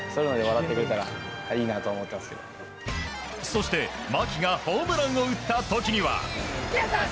そして、牧がホームランを打った時には。